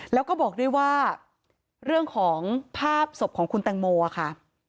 แล้วก็บอกด้วยว่าเรื่องของภาพศพของคุณแตงโมค่ะ